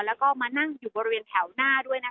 แล้วก็มานั่งอยู่บริเวณแถวหน้าด้วยนะคะ